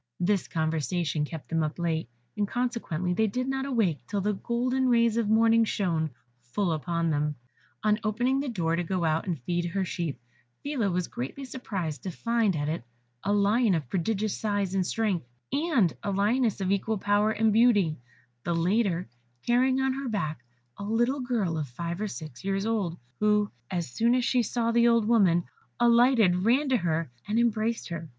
This conversation kept them up late, and consequently they did not awake till the golden rays of morning shone full upon them. On opening the door to go out and feed her sheep, Phila was greatly surprised to find at it a lion of prodigious size and strength, and a lioness of equal power and beauty, the latter carrying on her back a little girl of five or six years old, who, as soon as she saw the old woman, alighted, ran to her, and embraced her.